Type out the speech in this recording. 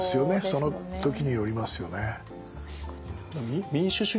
その時によりますよね。